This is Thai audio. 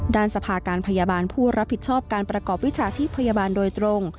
สภาการพยาบาลผู้รับผิดชอบการประกอบวิชาชีพพยาบาลโดยตรง